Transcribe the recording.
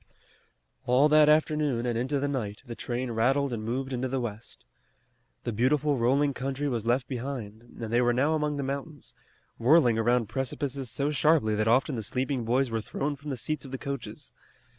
All that afternoon and into the night the train rattled and moved into the west. The beautiful rolling country was left behind, and they were now among the mountains, whirling around precipices so sharply that often the sleeping boys were thrown from the seats of the coaches.